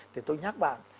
thì tôi nhắc bạn